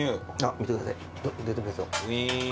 見てください出てきますよ。